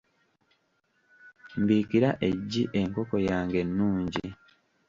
Mbiikira eggi enkoko yange ennungi.